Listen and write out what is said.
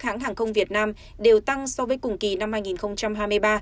các hãng hàng không việt nam đều tăng so với cùng kỳ năm hai nghìn hai mươi ba